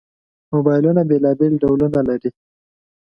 موبایلونه بېلابېل ډولونه لري.